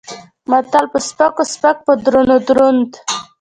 متل: په سپکو سپک په درونو دروند.